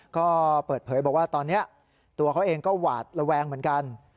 ก็เปิดเผยบอกว่าตอนนี้ตัวเขาเองก็หวาดระแวงเหมือนกัน